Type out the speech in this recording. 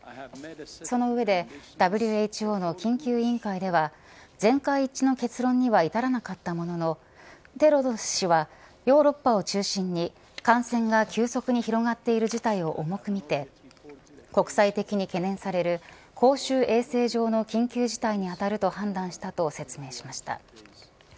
その上で、ＷＨＯの緊急委員会では全会一致の結論には至らなかったもののテドロス氏はヨーロッパを中心に感染が急速に広がっている事態を重く見て国際的に懸念される公衆衛生上の緊急事態に当たると判断したと説明しました。